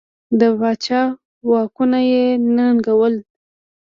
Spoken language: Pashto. د پاچا واکونه یې ننګول.